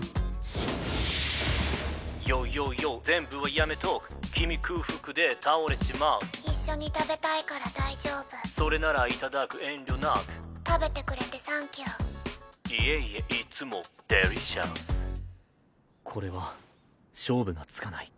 全部はやめとくキミ空腹で倒れちまう一緒に食べたいから大丈夫それならいただく遠慮なく食べてくれてＴｈａｎｋｙｏｕいえいえいっつもデリシャスこれは勝負がつかない。